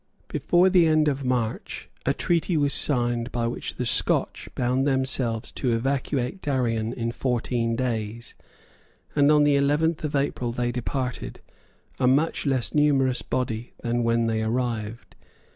Before the end of March a treaty was signed by which the Scotch bound themselves to evacuate Darien in fourteen days; and on the eleventh of April they departed, a much less numerous body than when they arrived.